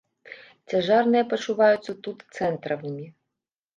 Цяжарныя пачуваюцца тут цэнтравымі.